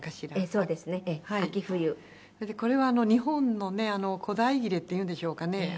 それでこれは日本のね古代切っていうんでしょうかね。